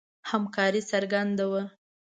همکاري څرګنده وه.